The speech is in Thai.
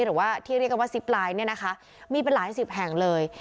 หรือว่าที่เรียกว่าซิปไลน์มีเป็นหลายสิบแห่งเลย